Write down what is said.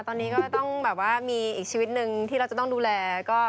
ตอนนี้ก็ต้องแบบว่ามีอีกชีวิตหนึ่งที่เราจะต้องดูแล